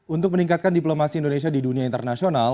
untuk meningkatkan diplomasi indonesia di dunia internasional